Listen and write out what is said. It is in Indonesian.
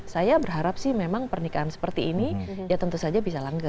saya berharap sih memang pernikahan seperti ini ya tentu saja bisa langga